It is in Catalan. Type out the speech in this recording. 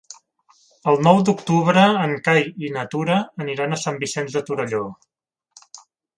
El nou d'octubre en Cai i na Tura aniran a Sant Vicenç de Torelló.